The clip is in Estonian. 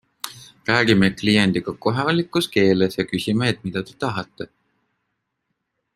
Räägime kliendiga kohalikus keeles ja küsime, et mida te tahate?